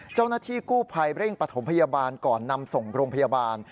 เจ้าหน้าที่กู้ภัยเร่งปฐมพยาบาลก่อนนำส่งโรงพยาบาล